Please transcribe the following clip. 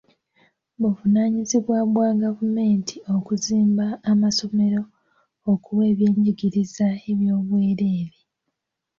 Buvunaanyizibwa bwa gavumenti okuzimba amasomero okuwa ebyenjigiriza eby'obwereere.